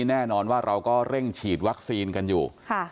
แน่นอนว่าเราก็เร่งฉีดวัคซีนกันอยู่